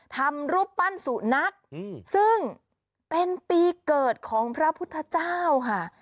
ทำรูปปั้นสุนัขซึ่งเป็นปีเกิดของพระพุทธเจ้าค่ะ